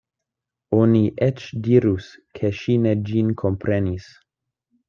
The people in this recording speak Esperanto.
Oni eĉ dirus, ke ŝi ne ĝin komprenis.